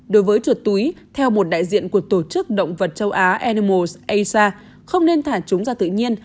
đối với chuột túi theo một đại diện của tổ chức động vật châu á anmos aic không nên thả chúng ra tự nhiên